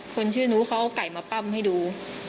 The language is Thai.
คนชื่อนู้นเขาเอาไก่มาปั้มให้ดู